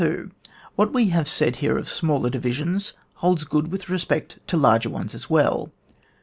What we have said here of smaller divisions, holds good with re spect to larger ones as well.